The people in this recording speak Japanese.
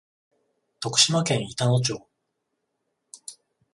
徳島県板野町